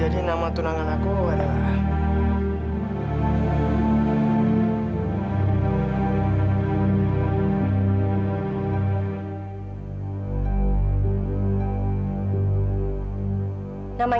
ada pengumuman ya ada pengumuman